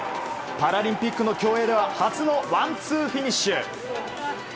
パラリンピックの競泳では初のワンツーフィニッシュ。